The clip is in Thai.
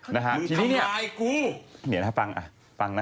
ทีนี้เนี่ยนี่นะฮะฟังนะฟังนะฟังนะ